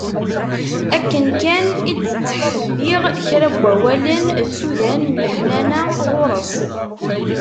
Akken kan i d-ttḥelliɣ kra n wawalen d tsudan n leḥnana ɣer-s.